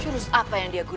jurus apa yang digunakan